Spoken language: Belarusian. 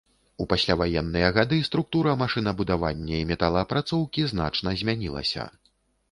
У пасляваенныя гады структура машынабудавання і металаапрацоўкі значна змянілася.